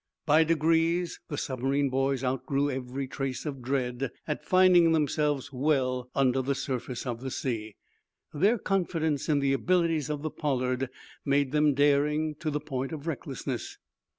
By degrees the submarine boys outgrew every trace of dread at finding themselves well under the surface of the sea. Their confidence in the abilities of the "Pollard" made them daring to the point of recklessness.